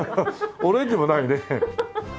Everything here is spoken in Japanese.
オレンジもないね。